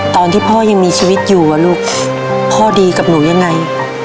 ตอนที่พ่อยังมีชีวิตอยู่อ่ะลูกพ่อดีกับหนูยังไง